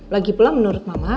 lagi pula menurut mama